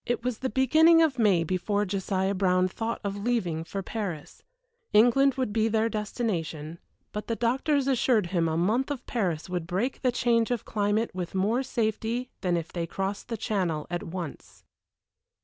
It was the beginning of May before Josiah Brown thought of leaving for Paris. England would be their destination, but the doctors assured him a month of Paris would break the change of climate with more safety than if they crossed the Channel at once.